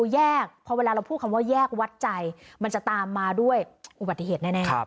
แยกพอเวลาเราพูดคำว่าแยกวัดใจมันจะตามมาด้วยอุบัติเหตุแน่